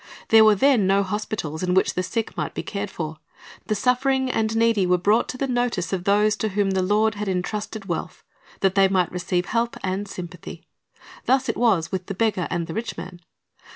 There were then no hospitals in which the sick might be cared for. The suffering and needy were brought to the notice of those to whom the Lord had entrusted wealth, that they might receiv^e help and sympathy. Thus it was with the beggar and the rich man.